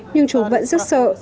nhưng chúng vẫn rất sợ